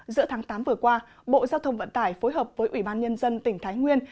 giữa tháng tám vừa qua bộ giao thông vận tải phối hợp với ủy ban nhân dân tỉnh thái nguyên